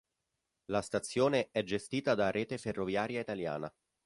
La stazione è gestita da Rete Ferroviaria Italiana.